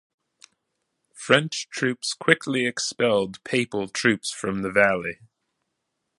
French troops quickly expelled Papal troops from the valley.